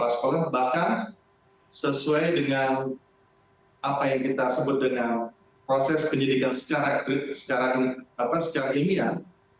sampai dengan apa yang kita sebut dengan proses penyelidikan secara imian